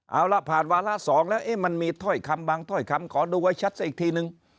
เอาล่ะผ่านวาระ๒แล้วมันมีถ้อยคำบางถ้อยคำขอดูไว้ชัดซะอีกทีนึง